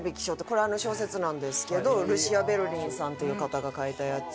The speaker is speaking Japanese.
これ小説なんですけどルシア・ベルリンさんという方が書いたやつ。